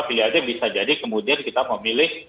pilihannya bisa jadi kemudian kita memilih